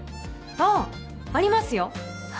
ああありますよ